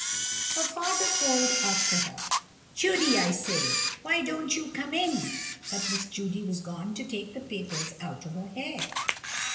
Her father called after her: "Judy, I say, why don't you come in?" But Miss Judy was gone to take the papers out of her hair.